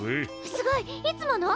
すごい！いつもの？